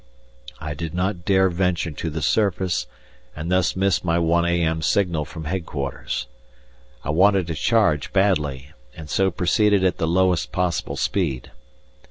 I did not dare venture to the surface, and thus missed my 1 a.m. signal from Headquarters. I wanted a charge badly, and so proceeded at the lowest possible speed.